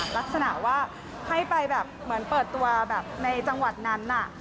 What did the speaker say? ลักษณะว่าให้ไปแบบเหมือนเปิดตัวแบบในจังหวัดนั้น